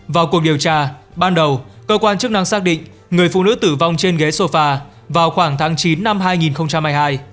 vào cuộc điều tra ban đầu cơ quan chức năng xác định người phụ nữ tử vong trên ghế sofa vào khoảng tháng chín năm hai nghìn hai mươi hai